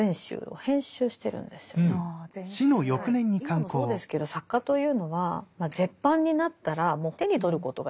今もそうですけど作家というのは絶版になったらもう手に取ることができない。